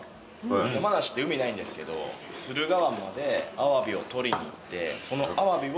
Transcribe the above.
山梨って海ないんですけど駿河湾までアワビを捕りに行ってそのアワビを山梨に持ち帰ると。